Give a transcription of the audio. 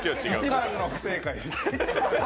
一番の不正解。